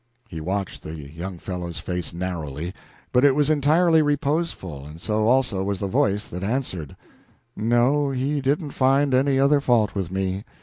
He watched the young fellow's face narrowly, but it was entirely reposeful, and so also was the voice that answered: "No, he didn't find any other fault with me.